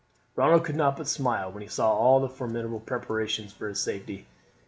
Ronald could not but smile when he saw all these formidable preparations for his safety.